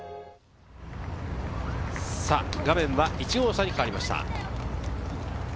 画面は１号車に変わりました。